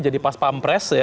jadi pas pampres ya